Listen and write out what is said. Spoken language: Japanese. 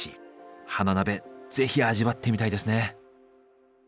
花鍋是非味わってみたいですね。